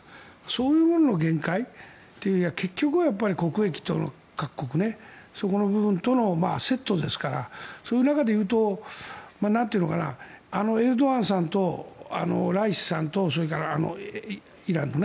そういうものの限界という結局は国益との各国そこの部分とのセットですからそういう中で言うとエルドアンさんとライシさんとイランの。